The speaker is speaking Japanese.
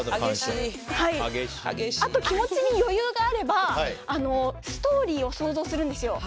あと、気持ちに余裕があればストーリーを想像するんですよ。